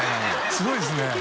すごいですね